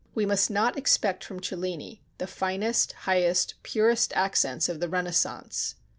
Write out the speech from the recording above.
We must not expect from Cellini the finest, highest, purest accents of the Renaissance....